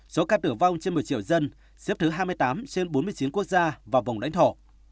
số ca tử vong trên một triệu dân xếp thứ hai mươi tám trên bốn mươi chín quốc gia và vùng lãnh thổ